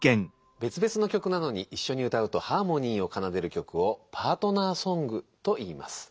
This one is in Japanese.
べつべつの曲なのにいっしょに歌うとハーモニーをかなでる曲をパートナーソングといいます。